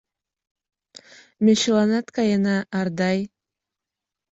— Ме чыланат каена, Ардай!